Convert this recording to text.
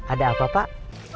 ada apa pak